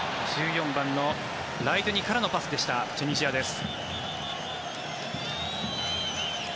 １４番のライドゥニからのパスでしたチュニジアです。